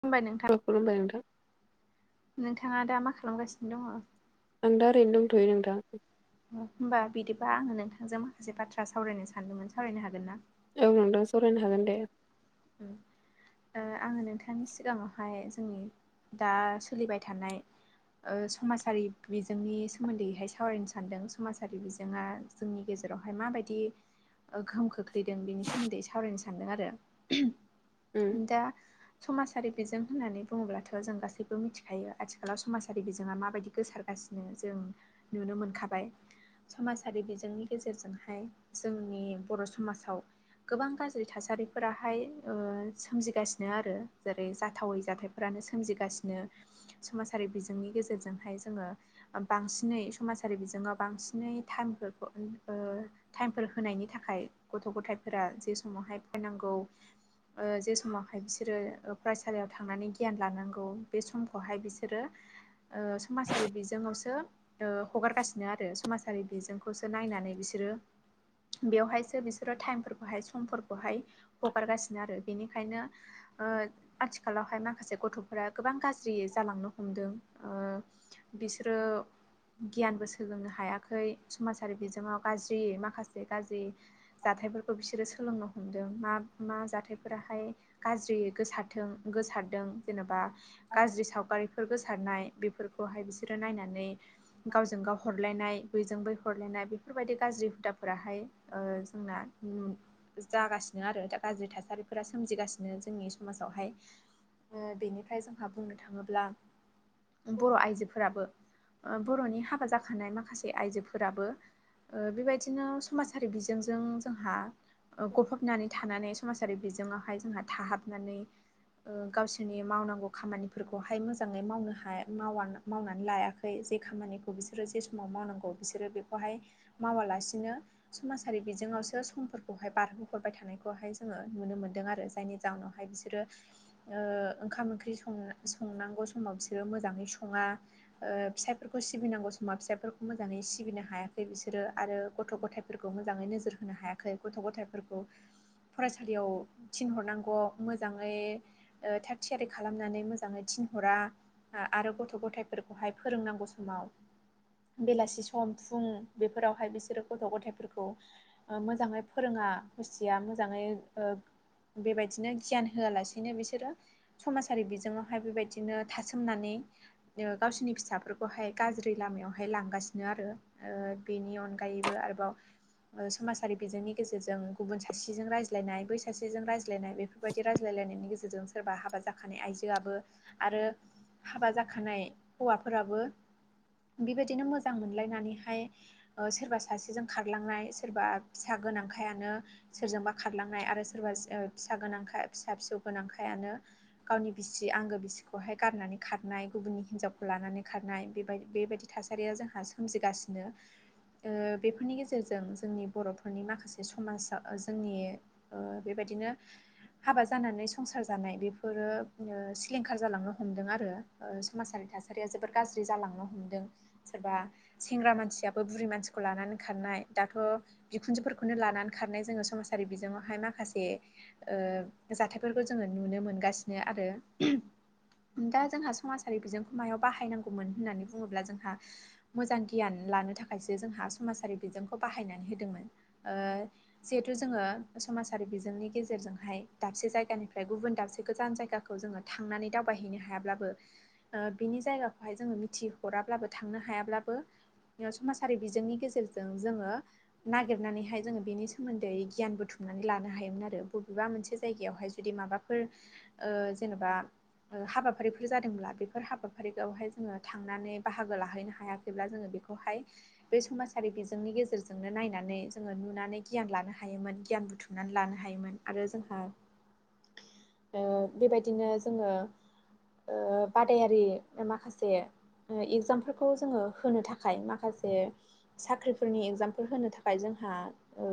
खुलुमबाय नोंथां औ खुलुमबाय नोंथां। नोंथाङा दा मा खालामगासिनो दङ? आं दा ओरैनो दंथ'यो नोंथां। होमबा बिदिबा आङो नोंथांजों माखासे बाथ्रा सावरायनो सानदोंमोन सावरायनो हागोन ना? औ नोंथां सावरायनो हागोन दे। उम ओ आङो नोंथांनि सिगाङावहाय जोंनि दा सोलिबाय थानाय ओ समाजारि बिजोंनि सोमोन्दैहाय सावरायनो सानदों समाजारि बिजोङा जोंनि गेजेरावहाय माबायदि ओ गोहोम खोख्लैदों बेनि सोमोन्दै सावरायनो सानदों आरो। उम दा समाजारि बिजों होननानै बुङोब्लाथ' जों गासैबो मिथिखायो आथिखालाव समाजारि बिजोङा माबायदि गोसारगासिनो जों नुनो मोनखाबाय। समाजारि बिजोंनि गेजेरजोंहाय जोंनि बर' समाजाव गोबां गाज्रि थासारिफोरा थाय सोमजिगासिनो आरो जेरै जाथावै जाथायफोरानो सोमजिगासिनो। समाजारि बिजोंनि गेजेरजोंहाय जोङो बांसिनै समाजारि बिजोङाव बांसिनै टाइमफोरखौ ओ टाइमफोर होनायनि थाखाय गथ' गथायफोरा जे समावहाय फरायनांगौ ओ जे समावहाय बिसोरो फरायसालियाव थांनानै गियान लानांगौ बे समखौहाय बिसोरो ओ समाजारि बिजोङावसो ओ हगारगासिनो आरो समाजारि बिजोंखौसो नायनानै बिसोरो बेवहायसो बिसोरो टाइमफोरखौहाय समफोरखौहाय हगारगासिनो आरो बेनिखायनो ओ आथिखालावहाय माखासे गथ'फोरा गोबां गाज्रि जालांनो हमदों ओ बिसोरो गियानबो सोलोंनो हायाखै समाजारि बिजोङाव गाज्रि माखासे गाज्रि जाथायफोरखौ बिसोरो सोलोंनो हमदों मा मा जाथायफोराहाय गाज्रि गोसारथों गोसारदों जेनेबा गाज्रि सावगारिफोर गोसारनाय बेफोरखौहाय बिसोरो नायनानै गावजों गाव हरलायनाय बैजों बै हरलायनाय बेफोरबायदि गाज्रि हुदाफोराहाय ओ जोंना उम जागासिनो आरो दा गाज्रि थासारिफोरा सोमजिगासिनो जोंनि समाजावहाय ओ बेनिफ्राय जोंहा बुंनो थाङोब्ला बर' आइजोफोराबो ओ बर'नि हाबा जाखानाय माखासे आइजोफोराबो ओ बेबायदिनो समाजारि बिजोंजों जोंहा गफबनानै थानानै समाजारि बिजोङावहाय जोंहा थाहाबनानै ओ गावसोरनि मावनांगौ खामानिफोरखौहाय मोजाङै मावनो हाया मावा मावनानै लायाखै जे खामानिखौ बिसोरो जे समाव मावनांगौ बिसोरो बेखौहाय मावालासिनो समाजारि बिजोङावसो समफोरखौहाय बारहोहरबाय थानायखौहाय जोङो नुनो मोनदों आरो जायनि जााहोनावहाय बिसोरो ओ ओंखाम ओंख्रि सं संनांगौ समाव बिसोरो मोजाङै सङा ओ फिसायफोरखौ सिबिनांगौ समाव फिसाइफोरखौ मोजाङै सिबिनो हायाखै बिसोरो आरो गथ' गथाय फोरखौ मोजाङै नोजोर होनो हायाखै गथ' गथायफोरखौ फरायसालियाव थिनहरनांगौ मोजाङै ओ थाग थियारि खालामनानै मोजाङै थिनहरा आरो गथ' गथायफोरखौहाय फोरोंनांगौ समाव बेलासि सम फुं बेफोरावहाय बिसोरो गथ' गथायाइफोरखौ ओ मोजाङै फोरोङा हसिया मोजाङै ओ बेबायदिनो गियान होआलासेनो बिसोरो समाजारि बिजोङावहाय बेबायदिनो थासोमनानै गावसोरनि फिसाफोरखौहाय गाज्रि लामायावहाय लांगासिनो आरो ओ बेनि अनगायैबो आरोबाव समाजारि बिजोंनि गेजेरजों गुबुन सासे जों रायज्लायनाय बै सासेजों रायज्लायनाय बेफोरबायदि रायज्लायलायनायनि गेजेरजों सोरबा हाबा जाखानाय आइजोआबो आरो हाबा जाखानाय हौवाफोराबो बेबायदिनो मोजां मोनलायनानैहाय सोरबा सासेजों खारलांनाय सोरबा फिसा गोनांखायानो सोरजोंबा खारलांनाय आरो सोरबा ओ फिसा गोनांखा फिसा फिसौ गोनांखायानो गावनि बिसि आंगो बिसिखौहाय गारनानै खारनाय गुबुननि हिनजावखौ लानानै खारनाय बेबाय बेबायदि थासा सारिया जोंहा सोमजिगासिनो। ओ बेफोरनि गेजेरजों जोंनि बर'फोरनि माखासे समाज ओ जोंनि ओ बेबायदिनो हाबा जानानै संसार जानाय बेफोरो ओ सिलिंखार जालांनो हमदों आरो समाजारि थासारिया जोबोर गाज्रि जालांनो हमदों सोरबा सेंग्रा मानसियाबो बुरि मानसिखौ लानानै खारनाय दाथ' बिखुनजोफोरखौनो लानानै खारनाय जोङो समाजारि बिजोङावहाय माखासे ओ जाथायफोरखौ जोङो नुनो मोनगासिनो आरो दा जोंहा समाजारि बिजोंखौ मायाव बाहायनांगौमोन होननानै बुङोब्ला जोंहा मोजां गियान लानो थाखायसो जोंहा समाजारि बिजोंखौ बाहायनानै होदोंमोन ओ जिहेथु जोङो समाजारि बिजोंनि गेजेरजोंहाय दाबसे जायगानिफ्राय गुबुन दाबसे गोजान जायगाखौ जोङो थांनानै दावबायहैनो हायाब्लाबो ओ बिनि जायगाखौहाय जोङो मिथिहराब्लाबो थांनो हायाब्लाबो समाजारि बिजोंनि गेजेरजों जोङो नागिरनानैहाय जोङो बेनि सोमोन्दै गियान बुथुमनानै लानो हायोमोन आरो बबेबा मोनसे जायगायावहाय जुदि माबाफोर ओ जेनेबा ओ हाबाफारिफोर जादोंब्ला बेफोर बेफोर हाबाफारियावहाय जोङो थांनानै बाहागो लाहैनो हायाखैब्ला जोङो बेखौहाय बे समाजारि बिजोंनि गेजेरजोंनो नायनानै जोङो नुनानै गियान लानो हायोमोन गियान बुथुमनानै लानो हायोमोन आरो जोंहा ओ बेबायदिनो जोङो ओ बादायारि माखासे इगजामफोरखौ जोङो होनो थाखाय माखासे साख्रिफोरनि एग्जामफोर होनो थाखाय जोंहा ओ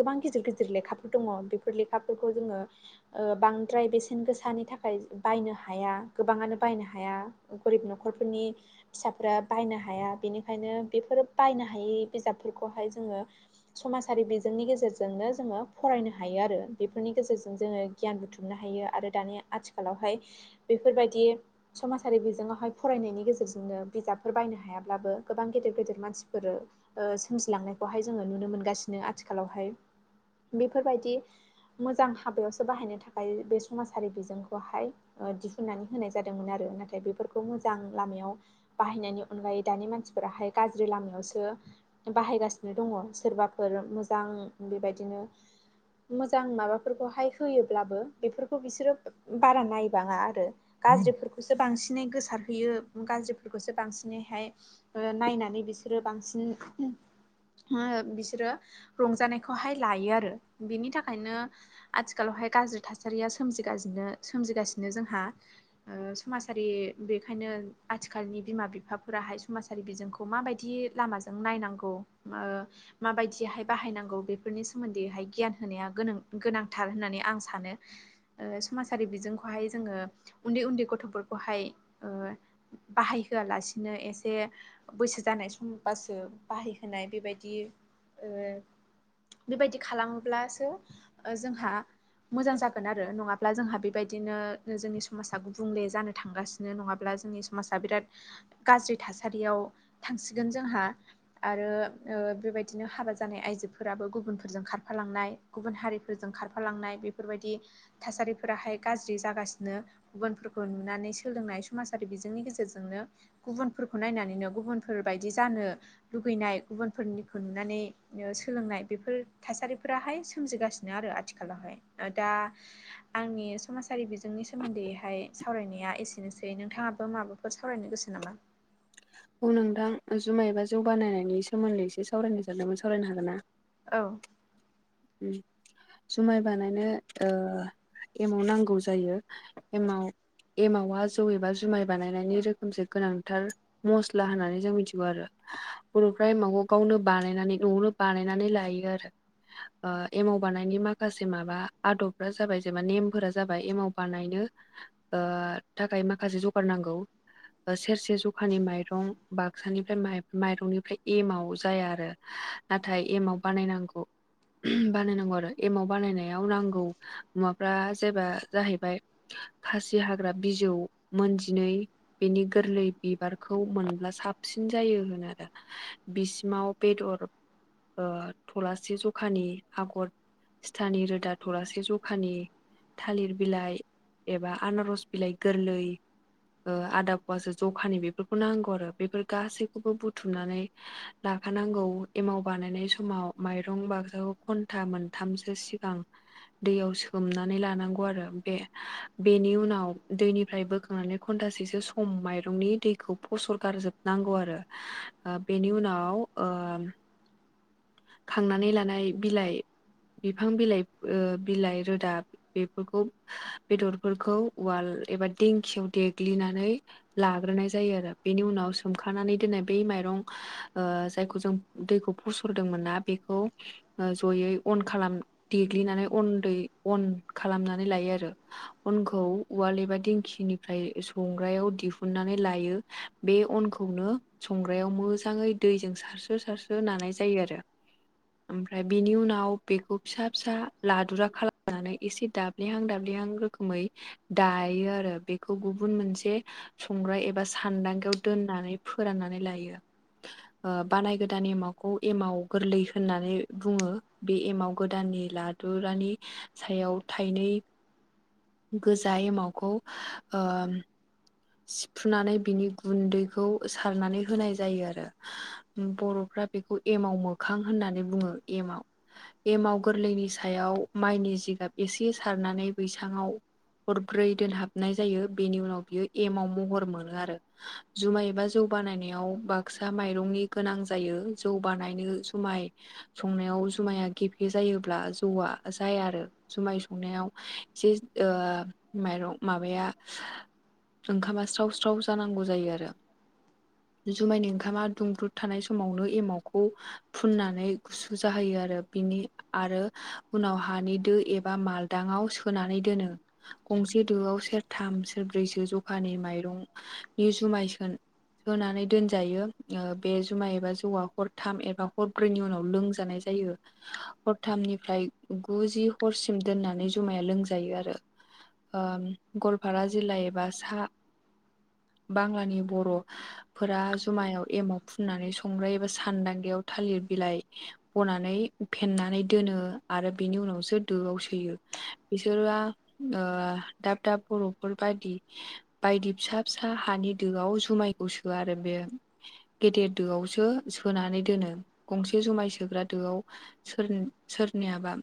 गोबां गिदिर गिदिर लेखाफोर दङ बेफोर लेखाफोरखौ जोङो ओ बांद्राय बेसेन बेसेन गोसानि थाखाय बायनो हाया गोबाङानो बायनो हाया। गोरिब न'खरफोरनि फिसाफोरा बायनो हाया बेनिखायनो बेफोरो बायनो हायि बिजाब फोरखौहाय जोङो समाजारि बिजोंनि गेजेरजोंनो जोङो फरायनो हायो आरो बेफोरनि गेजेरजों जोङो गियान बुथुमनो हायो आरो दानि आथिखालावहाय बेफोरबायदि समाजारि बिजोङावहाय फरायनायनि गेजेरजों बिदिनो बिजाबफोर बायनो हायाब्लाबो गोबां गेदेर गेदेर मानसिफोरो ओ सोमजिलांनायखौहाय जोङो नुनो मोन गासिनो आथिखालावहाय बेफोरबायदि मोजां हाबायावसो बाहायनो थाख बाय बे समाजारि बिजोंखौहाय ओ दिहुननानै होनाय जादोंमोन आरो नाथाय बेफोरखौ मोजां लामायाव बाहायनायनि अनगायै दानि मानसिफोराहाय गाज्रि लामायावसो बाहायगासिनो दङ सोरबा फोर मोजां बेबायदिनो मोजां माबाफोरखौ हाय होयोब्लाबो बेफोरखौ बिसोरो बारा नायबाङा आरो गाज्रिफोरखौसो बांसिन बांसिनै गोसारहैयो गाज्रिफोरखौसो बांसिनैहाय ओ नायनानै बिसोरो बांसिन बि बिसोरो रंजानायखौहाय लायो आरो बिनि थाखायनो आथिखालावहाय गाज्रि थासारिया सोमजिगासिनो सोमजिगासिनो जोंहा ओ समाजारि बेखायनो आथिखालनि बिमा बिफाफोराहाय समाज आरि बिजोंखौ माबायदि लामाजों नायनांगौ ओ माबायदिहाय बाहायनांगौ बेफोरनि सोमोन्दैहाय गियान होनाया गोनां गोनांथार होननानै आं सानो। ओ समाजारि बिजोंखौहाय जोङो उन्दै उन्दै गथ'फोरखौहाय ओ बाहायहोआलासिनो एसे बैसो जानाय समबासो बाहायहोनाय बेबायदि ओ बेबायदि खालामोब्लासो ओ जोंहा मोजां जागोन आरो। आरो नङाब्ला जोंहा बेबायदिनो जोंनि समाजा गुबुंले जानो थांगासिनो नङाब्ला जोंनि समाजा बिराद गाज्रि थासारियाव थांसिगोन जोंहा आरो ओ बेबायदि बिदिनो हाबा जानाय आइजोफोराबो गुबुनफोरजों खारफालांनाय गुबुन हारिफोरजों खारफालांनाय बेफोरबायदि थासारिफोराहाय गाज्रि जागासिनो। गुबुनफोरखौ नुनानै सोलोंनाय समाजारि बिजोंनि गेजेरजोंनो गुबुनफोरखौ नायनानैनो गुबुनफोरबायदि जानो लुगैनाय गुबुनफोरनि नुनानै ओ सोलोंनाय। बेफोर थासारिफोराहाय सोमजिगासिनो आरो आथिखालावहाय दा आंनि समाजारि बिजोंनि सोमोन्दैहाय सावरायनाया एसेनोसै नोंथाङाबो माबाफोर सावरायनो गोसो नामा? औ नोंथां जुमाय एबा जौ बानायनायनि सोमोन्दै एसे सावरायनो सानदोंमोन सावरायनो हागोन ना? औ। ओम जुमाय बानायनो ओ एमाव नांगौ जायो। एमाव एमावा जौ एबा जुमाय बानायनायनि रोखोमसे गोनांथार मस्ला होननानै जों मिथिगौ आरो। बर'फ्रा एमावखौ गावनो बानायनानै न'आवनो बानायनानै लायो आरो। ओ एमाव बानायनि माखासे माबा आदबफ्रा जाबाय जे मा नेमफोरा जाबाय एमाव बानायनो ओ थाखाय माखासे जगार नांगौ। ओ सेरसे से ज'खानि माइरं बाक्सानिफ्राय माइब माइरंनिफ्राय एमाव जाया आरो। नाथाय एमाव बानायनांगौ बानायनांगौ आरो। एमाव बानायनायाव नांगौ मुवाफ्रा जेबा जाहैबाय खासि हाग्रा बिजौ मोनजिनै बेनि गोरलै बिबारखौ मोनब्ला साबसिन जायो होनो आरो। बिसिमाव बेदर ओ थलासे ज' खानि आगर सिथानि रोदा थलासे ज'खानि थालिर बिलाइ एबा आनारस बिलाइ गोरलै ओ आदा फुवासो जखानि बेफोरखौ नांगौ आरो। बेफोर गासैखौबो बुथुमनानै लाखानांगौ एमाव बानायनाय समाव माइरं बा घन्टा मोनथामसो सिगां दैयाव सोमनानै लानांगौ आरो बे बेनि उनाव दैनिफ्राय बोखांनानै घन्टासेसो सम माइरंनि दैखौ फसर गारजोबनांगौ आरो। ओ बेनि उनाव ओ खांनानै लानाय बिलाइ बिफां बिलाइ ओ बिलाइ रोदा बेफोरखौ बेदरफोरखौ उवाल एबा दिंखियाव देग्लिनानै लाग्रोनाय जायो आरो बेनि उनाव सोमखानानै दोननाय बै माइरं ओ जायखौ जों दैखौ फस हुरदोंमोन ना बेखौ ज'यै अन खालाम देग्लिनानै अनदै अन खालामनानै लायो आरो। अनखौ उवाल एबा दिंखिनिफ्राय संग्रायाव दिहुननानै लायो। बे अनखौनो संग्रायाव मोजाङै दैजों सारसो सारसो नानाय जायो आरो। ओमफ्राय बिनि उनाव बेखौ फिसा फिसा लादुरा खालामनानै एसे दाब दाब्लिहां दाब्लिहां रोखोमै दायो आरो बे खौ गुबुन मोनसे संग्रा एबा सान्दांगायाव दोननानै फोराननानै लायो। ओ बानाय गोदान एमाव खौ एमाव गोरलै होननानै बुङो बे एमाव गोदाननि लादुरानि सायाव थाइनै [inaudible] गोजा एमावखौ ओ सिफ्रुनानै बिनि गुन्दैखौ सारनानै होनाय जायो आरो। बर'फ्रा बेखौ एमाव मोखां होननानै बुङो एमाव। एमाव गोरलैनि सायाव माइनि जिगाब एसे सारनानै बैसाङाव हरब्रै दोनहाबनाय जायो बेनि उनाव बियो एमाव महर मोनो आरो। जुमाय एबा जौ बानायनायाव बाक्सा माइरंनि गोनां जायो जौ बानायनो जुमाय संनायाव जुमाया गेफे जायोब्ला जौआ जाया आरो। जुमाय संनायाव एसे ओ माइरं माबाया ओंखामा स्राव स्राव जानांगौ जायो आरो। जुमायनि ओंखामा दुंब्रुद थानाय समावनो एमावखौ फुननानै गुसु जाहोयो आरो बिनि आरो उनाव हानि दो एबा मालदाङाव सोनानै दोनो। गंसे दोआव सेरथाम सेरब्रैसो ज'खानि माइरंनि जुमाय सोन सानै दोनजायो ओ बे जुमाय एबा जौवआ हरथाम एबा हर ब्रैनि उनाव लोंजानाय जायो हरथामनिफ्राय गुजि हरसिम दोननानै जमाया लोंजायो आरो ओ गवालपारा जिल्ला बा सा बांलानि बर' फोरा जुमायाव एमाव फुननानै संग्रायो एबा सानदांगायाव थालिर बिलाइ बनानै फेननानै दोनो आरो बिनि उनावसो दोआव सोयो बिसोरा ओ दाब दाब बर'फोर बायदि बायदि फिसा फिसा हानि दोआव जुमायखौ सो आरो बे गेदेर दोआवसो सोनानै दोनो गंसे जुमाय सोग्रा दोआव सोर-सोरनियाबा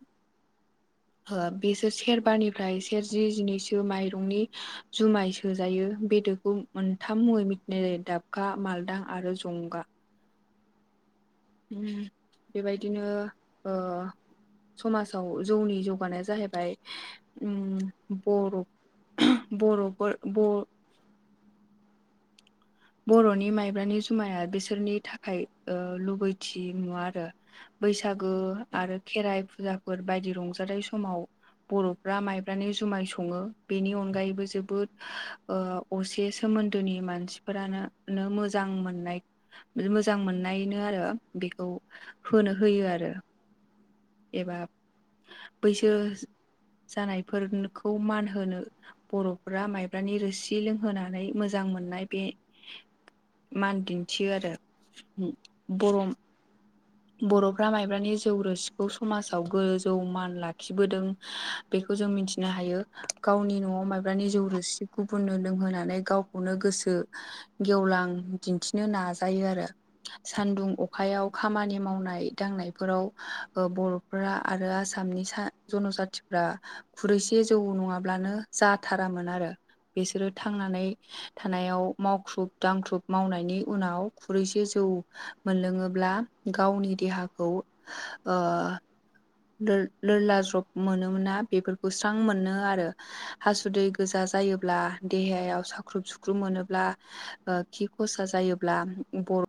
हो बेसोर सेरबानिफ्राय सेरजि जिनैसो माइरंनि जुमाय सोजायो बेदोखौ मोनथाम मुङै मिथिनाय जायो दाबखा, मालदां आरो जंगा। उम बेबायदिनो ओ समाजाव जौनि जौगानाया जाहैबाय उम बर' बर'फोर ब' बर'नि माइब्रानि जुमाया बिसोरनि थाखाय ओ लुबैथि नुवा आरो बैसागो आरो खेराइ फुजाफोर बायदि रंजानाय समाव बर'फ्रा माइब्रानो जुमाय संङो बेनि अनगायैबो जोबोद असे सोमोन्दोनि मानसि फोरानो नो मोजां मोननाय मोजां मोननायनो आरो बेखौ होनो होयो आरो एबा बैसो जानायफोरखौ मान होनो बर'फ्रा माइब्रानि रोसि लोंहोनानै मोजां मोननाय बे मान दिन्थियो आरो बर' बर'फ्रा माइब्रानि जौ रोसि खौ समाजाव गोजौ मान लाखिबोदों बेखौ जों मिन्थिनो हायो। गावनि न'आव माइब्रानि जौ रोसि गुबुननो लोंहोनानै गावखौनो गोसो गेवलां दिन्थिनो नाजायो आरो सानदुं अखायाव खामानि मावनाय दांनायफोराव बर'फ्रा आरो आसामनि सा जन'जाथिफ्रा खुरैसे जौ नङाब्लानो जाथारामोन आरो बेसोरो थांनानै थानायाव मावख्रुब दांख्रुब मावनायनि उनाव खुरैसे जौ मोनलोङोब्ला गावनि देहाखौ [inaudible] ओ लो-लोरला ज्रब मोनोमोना बेफोरखौ स्रां मोनो आरो हासुदै गोजा जायोब्ला देहायाव साख्रुब सुख्रुब मोनोब्ला ओ खि खरसा जायोब्ला बर'